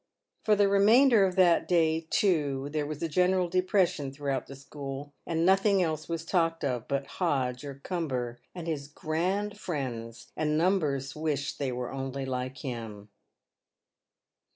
For the remainder of that day, too, there was a general depression thoughout the school, and nothing else was talked of but Hodge or Cumber and his grand friends, and num bers wished they were only like him.